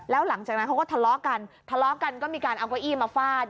แล้วหลังจากนั้นเขาก็ทะเลาะกันทะเลาะกันก็มีการเอาเก้าอี้มาฟาด